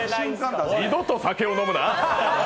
二度と酒を飲むな。